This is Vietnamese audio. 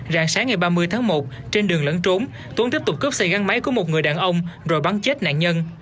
rạng sáng ngày ba mươi tháng một trên đường lẫn trốn tuấn tiếp tục cướp xe gắn máy của một người đàn ông rồi bắn chết nạn nhân